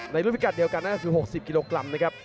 ในรุ่นพิกัดเดียวกันก็คือ๖๐กิโลกรัมนะครับ